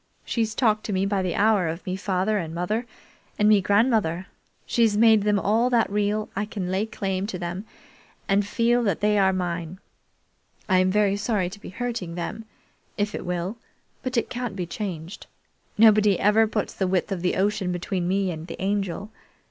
She's talked to me by the hour of me father and mother and me grandmother. She's made them all that real I can lay claim to them and feel that they are mine. I'm very sorry to be hurting them, if it will, but it can't be changed. Nobody ever puts the width of the ocean between me and the Angel.